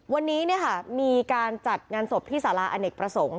วันนี้มีการจัดงานศพที่สาราอเนกประสงค์